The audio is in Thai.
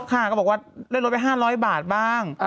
แล้วค่าก็บอกว่าได้ลดไป๕๐๐บาทบ้าง